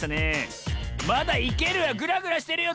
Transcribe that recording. まだいける⁉ぐらぐらしてるよ。